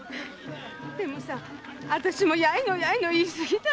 でもあたしもやいのやいの言い過ぎたのかも。